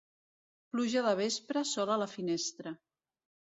Pluja de vespre, sol a la finestra.